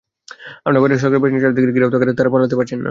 আবার বাইরে সরকারি বাহিনী চারদিক থেকে ঘিরে থাকায় তাঁরা পালাতেও পারছেন না।